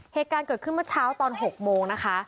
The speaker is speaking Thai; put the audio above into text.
เหตุการณ์เกิดขึ้นเมื่อเช้าตอน๖โมงนะคะ